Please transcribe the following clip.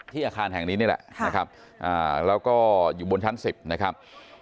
อาคารแห่งนี้นี่แหละนะครับแล้วก็อยู่บนชั้น๑๐นะครับ